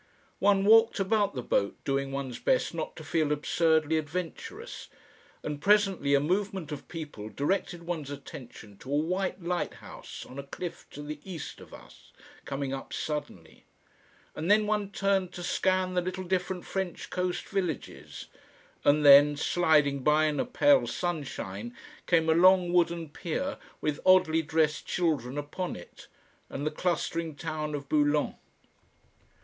One walked about the boat doing one's best not to feel absurdly adventurous, and presently a movement of people directed one's attention to a white lighthouse on a cliff to the east of us, coming up suddenly; and then one turned to scan the little different French coast villages, and then, sliding by in a pale sunshine came a long wooden pier with oddly dressed children upon it, and the clustering town of Boulogne.